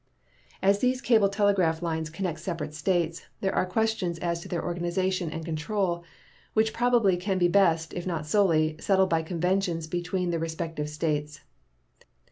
As these cable telegraph lines connect separate states, there are questions as to their organization and control which probably can be best, if not solely, settled by conventions between the respective states.